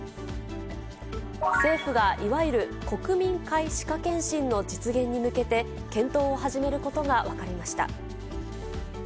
政府がいわゆる国民皆歯科検診の実現に向けて検討を始めることが分かりました。